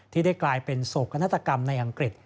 ที่ได้กลายเป็นโศกนาฏกรรมในอังกฤษ